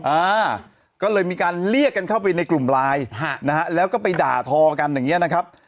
อ่าก็เลยมีการเรียกกันเข้าไปในกลุ่มไลน์ฮะนะฮะแล้วก็ไปด่าทอกันอย่างเงี้นะครับ